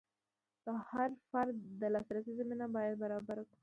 د هر فرد د لاسرسي زمینه باید برابره کړو.